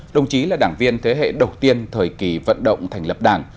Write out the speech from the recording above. đồng chí là đảng viên thế hệ đầu tiên thời kỳ vận động thành lập đảng